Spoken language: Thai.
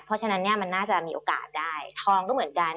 เพราะฉะนั้นเนี่ยมันน่าจะมีโอกาสได้ทองก็เหมือนกัน